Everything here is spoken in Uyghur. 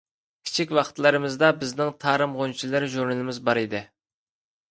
كىچىك ۋاقىتلىرىمىزدا بىزنىڭ «تارىم غۇنچىلىرى» ژۇرنىلىمىز بار ئىدى.